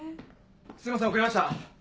すいません遅れました。